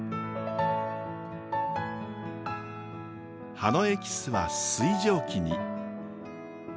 葉のエキスは水蒸気に。